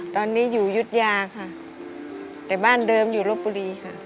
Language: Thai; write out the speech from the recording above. ตอนนี้อยู่ยุธยาค่ะแต่บ้านเดิมอยู่รบบุรีค่ะ